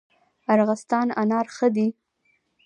ارغستان انار ښه دي؟